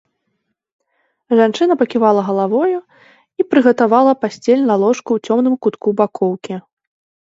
Жанчына паківала галавою і прыгатавала пасцель на ложку ў цёмным кутку бакоўкі.